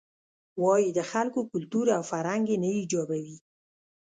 وایې د خلکو کلتور او فرهنګ یې نه ایجابوي.